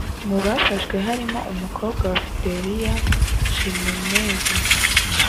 mu bafashwe harimo umukobwa wa fidelia jimenez